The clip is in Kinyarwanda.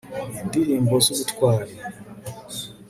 indirimbo z'ubutwari